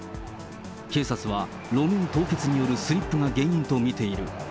警察は路面凍結によるスリップが原因と見ている。